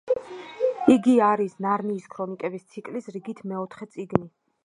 იგი არის ნარნიის ქრონიკების ციკლის რიგით მეოთხე წიგნი.